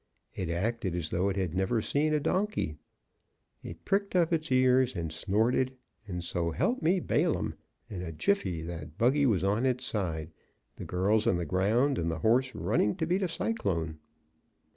It acted as though it had never seen a donkey. It pricked up its ears, and snorted, and, so help me Balaam! in a jiffy that buggy was on its side, the girls on the ground, and the horse running to beat a cyclone.